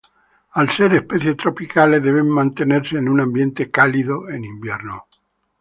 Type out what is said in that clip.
Al ser especies tropicales, deben mantenerse en un ambiente cálido en invierno.